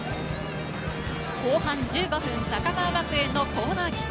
後半１５分、高川学園のコーナーキック。